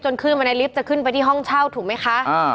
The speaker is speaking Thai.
ขึ้นมาในลิฟต์จะขึ้นไปที่ห้องเช่าถูกไหมคะ